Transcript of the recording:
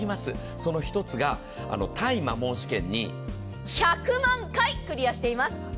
その１つが耐摩耗試験に１００万回クリアしています。